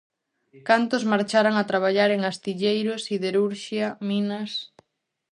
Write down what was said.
Cantos marcharan a traballar en astilleros, siderurxia, minas...